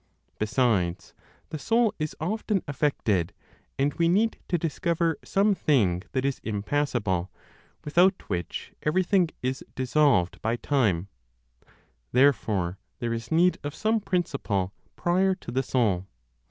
Besides, the Soul is (often) affected; and we need to discover some thing that is impassible, without which everything is dissolved by time; therefore there is need of some principle prior to the soul.